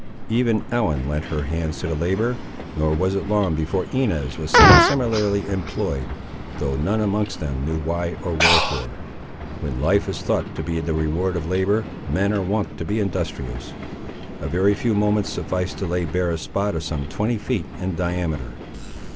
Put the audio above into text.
Even Ellen lent her hands to the labour, nor was it long before Inez was seen similarly employed, though none amongst them knew why or wherefore. When life is thought to be the reward of labour, men are wont to be industrious. A very few moments sufficed to lay bare a spot of some twenty feet in diameter.